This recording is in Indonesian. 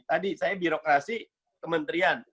tadi saya birokrasi kementerian